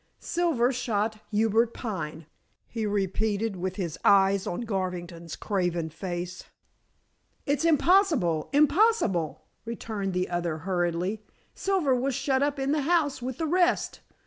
"Silver shot Hubert Pine," he repeated, with his eyes on Garvington's craven face. "It's impossible impossible!" returned the other hurriedly. "Silver was shut up in the house with the rest.